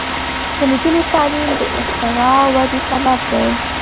د نجونو تعلیم د اختراع ودې سبب دی.